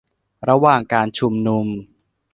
ระหว่างการชุมนุม